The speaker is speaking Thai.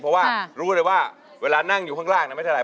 เพราะว่ารู้เลยว่าเวลานั่งอยู่ข้างล่างไม่เท่าไห